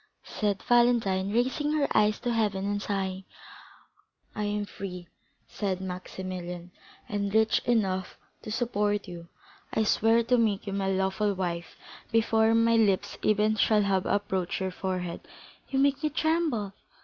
said Valentine, raising her eyes to heaven and sighing. "I am free," replied Maximilian, "and rich enough to support you. I swear to make you my lawful wife before my lips even shall have approached your forehead." "You make me tremble!"